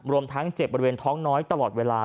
รวมทั้งเจ็บบริเวณท้องน้อยตลอดเวลา